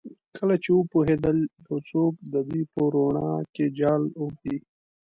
کله چې وپوهیدل یو څوک د دې په روڼا کې جال اوبدي